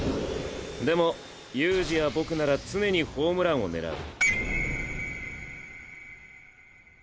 でも悠仁や僕なら常にホームランを狙うカキン！